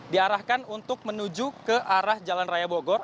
diarahkan untuk menuju ke arah jalan raya bogor